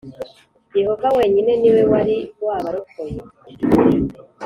yehova wenyine ni we wari wabarokoye,